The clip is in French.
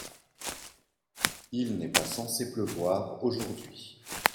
Il n'est pas censé pleuvoir aujourd'hui.